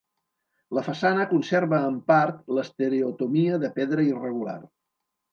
La façana conserva en part l'estereotomia de pedra irregular.